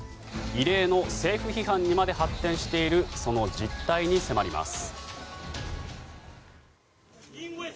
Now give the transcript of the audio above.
異例の政府批判にまで発展しているその実態に迫ります。